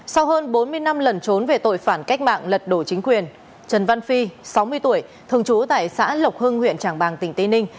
sau hơn bốn mươi năm lẩn trốn về tội phản cách mạng lật đổ chính quyền trần văn phi sáu mươi tuổi thường trú tại xã lộc hưng huyện tràng bàng tỉnh tây ninh